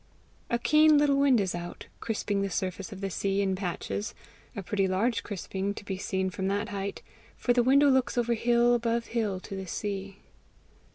A keen little wind is out, crisping the surface of the sea in patches a pretty large crisping to be seen from that height, for the window looks over hill above hill to the sea.